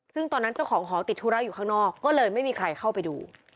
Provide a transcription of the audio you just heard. ซึ่งตอนนั้นเจ้าของหอติดธุระอยู่ข้างนอกก็เลยไม่มีใครเข้าไปดู